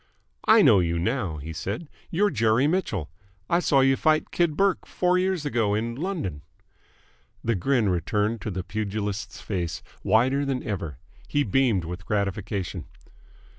"I know you now," he said. "You're Jerry Mitchell. I saw you fight Kid Burke four years ago in London." The grin returned to the pugilist's face, wider than ever. He beamed with gratification.